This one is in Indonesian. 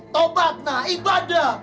tobat nak ibadah